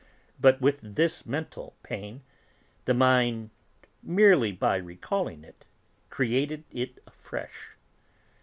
But with this mental pain, the mind, merely by recalling it, created it afresh.